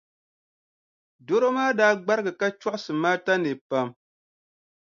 Dɔro maa daa gbarigi ka chɔɣisi Maata nii pam.